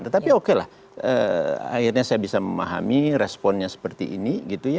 tetapi oke lah akhirnya saya bisa memahami responnya seperti ini